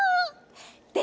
で